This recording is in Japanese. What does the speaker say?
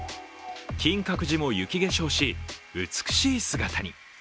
金閣寺も雪化粧し、美しい姿に。